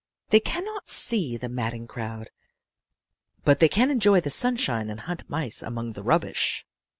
They can not see the madding crowd, but they can enjoy the sunshine and hunt mice among the rubbish.